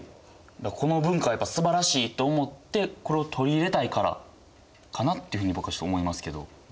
この文化はやっぱすばらしいと思ってこれを取り入れたいからかなっていうふうに僕は思いますけど。